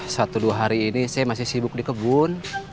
satu dua hari ini saya masih sibuk di kebun